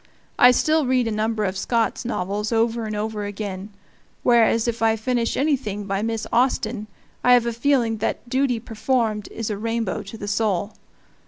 I still read a number of Scott's novels over and over again, whereas if I finish anything by Miss Austen I have a feeling that duty performed is a rainbow to the soul.